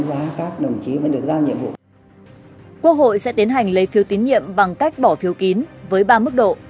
quốc hội sẽ tiến hành lấy phiếu tín nhiệm bằng cách bỏ phiếu kín với ba mức độ